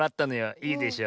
いいでしょ。